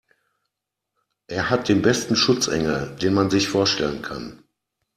Er hat den besten Schutzengel, den man sich vorstellen kann.